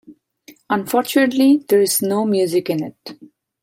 Unfortunately there's no music in it.